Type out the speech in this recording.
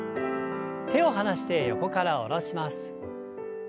手を離して横から下ろします。